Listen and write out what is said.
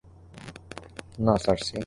না, সার্সি!